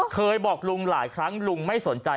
เคยบอกลุงหลายครั้งลุงไม่สนใจ